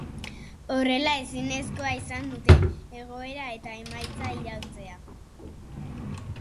Horrela, ezinezkoa izan dute egoera eta emaitza iraultzea.